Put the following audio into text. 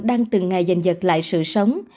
đang từng ngày giành dật lại sự sống